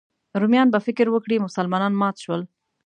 رومیان به فکر وکړي مسلمانان مات شول.